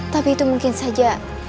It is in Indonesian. tapi itu mungkin saja